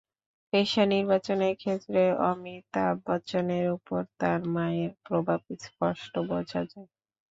পেশা নির্বাচনের ক্ষেত্রে অমিতাভ বচ্চনের ওপর তাঁর মায়ের প্রভাব স্পষ্ট বোঝা যায়।